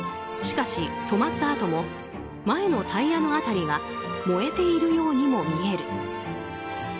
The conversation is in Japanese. しかし、止まったあとも前のタイヤの辺りが燃えているようにも見える。